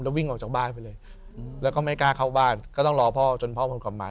วิ่งออกจากบ้านไปเลยแล้วก็ไม่กล้าเข้าบ้านก็ต้องรอพ่อจนพ่อผลกลับมา